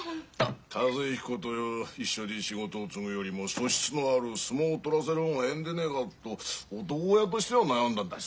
一彦と一緒に仕事を継ぐよりも素質のある相撲を取らせる方がええんでねえかと男親としては悩んだんです。